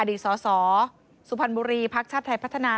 ดีสสสุพรรณบุรีภักดิ์ชาติไทยพัฒนา